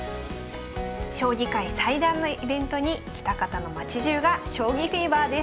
将棋界最大のイベントに喜多方の町じゅうが将棋フィーバーです。